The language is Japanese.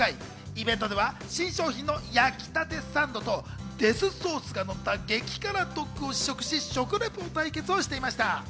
イベントでは新商品の焼きたてサンドとデスソースがのった激辛ドッグを試食し、食レポ対決をしていました。